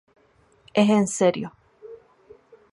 Es en serio.